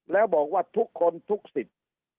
แล้วบอกว่าทุกคนทุกสิทธิ์